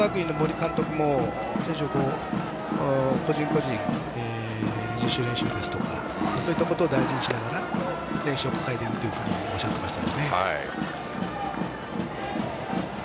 浦和学院の森監督も選手、個人個人練習ですとかそういうことを大事にしながら練習をしているとおっしゃっていました。